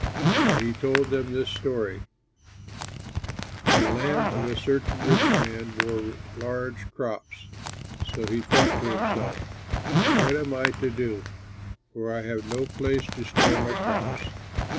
And he told them this story: "The land of a certain rich man bore large crops; so he thought to himself, 'What am I to do, for I have no place to store my crops.'